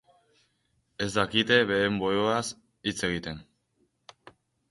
Ez da-kite beren buruaz hitz egiten.